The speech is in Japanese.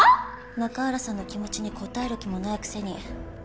中原さんの気持ちに応える気もないくせに。